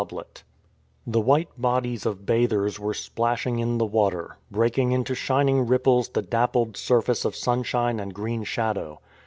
THE QUEEN OF THE EAST 105 The white bodies of bathers were splashing in the water, breaking into shining ripples the dappled sur face of sunshine and green shadow.